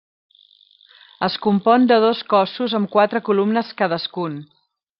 Es compon de dos cossos amb quatre columnes cadascun.